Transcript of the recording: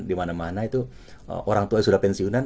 dimana mana itu orang tua yang sudah pensiunan